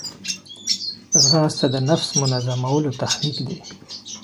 ځغاسته د نفس منظمولو تخنیک دی